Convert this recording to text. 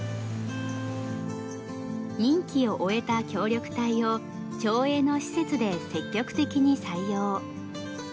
任期を終えた協力隊を町営の施設で積極的に採用。